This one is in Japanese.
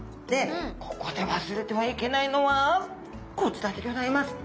ここで忘れてはいけないのはこちらでギョざいます。